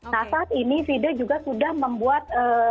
nah saat ini fide juga sudah membuat